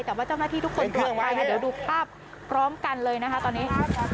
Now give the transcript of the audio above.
แต่ว่าเจ้าหน้าที่ทุกคนปลอดภัยนะเดี๋ยวดูภาพพร้อมกันเลยนะคะตอนนี้